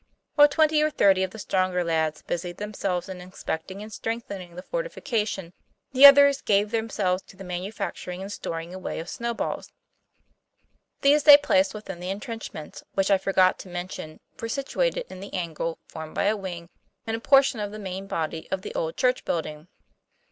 While twenty or thirty of the stronger lads busied themselves in inspecting and strengthening the for tification, the others gave themselves to the manu facturing and storing away of snowballs. These they placed within the intrenchments, which, I forgot to mention, were situated in the angle formed by a wing and a portion of the main body of the "old church building."